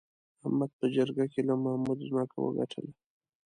احمد په جرګه کې له محمود ځمکه وګټله.